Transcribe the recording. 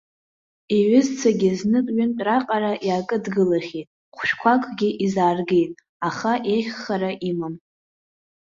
Иҩызцәагьы знык-ҩынтә раҟара иаакыдгылахьеит, хәшәқәакгьы изааргеит, аха еиӷьхара имам.